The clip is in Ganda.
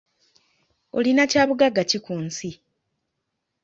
Olina kya bugagga ki ku nsi?